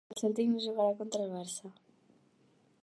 El Cèltic no jugarà contra el Barça